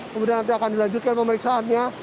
kemudian nanti akan dilanjutkan pemeriksaannya